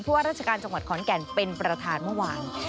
ว่าราชการจังหวัดขอนแก่นเป็นประธานเมื่อวาน